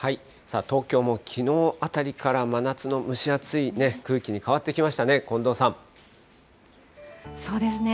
東京もきのうあたりから真夏の蒸し暑いね、空気に変わってきそうですね。